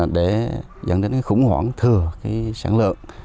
để dẫn đến khủng hoảng thừa sản lượng